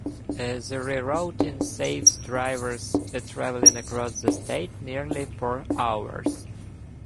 The rerouting saves drivers traveling across the state nearly four hours.